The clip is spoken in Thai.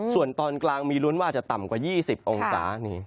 ส่วนตอนกลางมีลุ้นว่าจะต่ำกว่า๒๐องศา